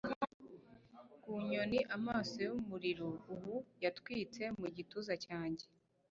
ku nyoni amaso yumuriro ubu yatwitse mu gituza cyanjye